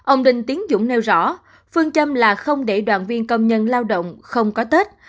ông đinh tiến dũng nêu rõ phương châm là không để đoàn viên công nhân lao động không có tết